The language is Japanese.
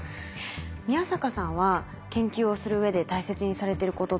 宮坂さんは研究をするうえで大切にされてることって何ですか？